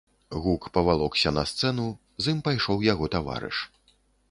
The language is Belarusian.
Гук павалокся на сцэну, з ім пайшоў яго таварыш.